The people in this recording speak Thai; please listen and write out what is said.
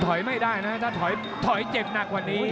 ถอยไม่ได้นะถอยเจ็บหนักกว่านี้